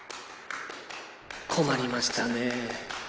困りましたねぇ。